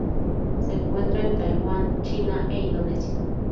Se encuentra en Taiwán, China e Indonesia.